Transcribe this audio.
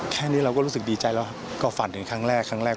แค่นี้เราก็รู้สึกดีใจแล้วครับ